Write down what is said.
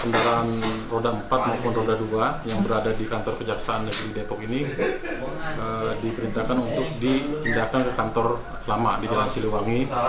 dan roda empat maupun roda dua yang berada di kantor kejaksaan negeri depok ini diperintahkan untuk diindahkan ke kantor lama di jalan siliwangi